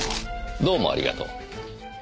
どうもありがとう。